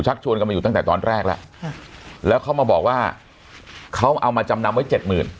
ชวนกันมาอยู่ตั้งแต่ตอนแรกแล้วแล้วเขามาบอกว่าเขาเอามาจำนำไว้เจ็ดหมื่น